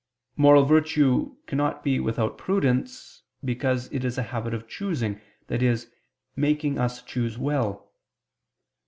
Moral virtue cannot be without prudence, because it is a habit of choosing, i.e. making us choose well.